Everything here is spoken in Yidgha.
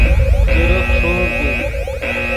چیرے خݰوڤد ای